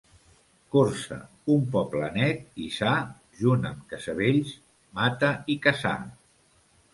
Corçà, un poble net i sa, junt amb Casavells, Mata i Cassà.